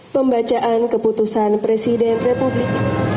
pembacaan keputusan presiden republik